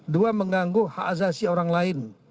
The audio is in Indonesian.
dua mengganggu hak azasi orang lain